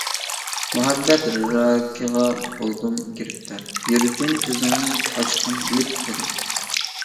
مۇھەببەت راكىغا بولدۇم گىرىپتار، يۈرىكىم كۆزۈڭنى ئاچقىن لىپپىدە.